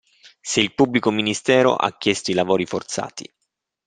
Se il pubblico ministero ha chiesto i lavori forzati.